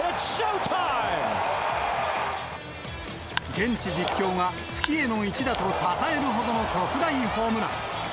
現地実況が、月への一打とたたえるほどの特大ホームラン。